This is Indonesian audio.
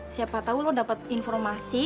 siapa tau lo dapet informasi